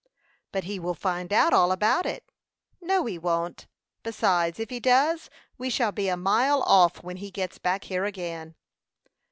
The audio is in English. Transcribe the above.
"But he will find out all about it." "No, he won't; besides, if he does, we shall be a mile off when he gets back here again."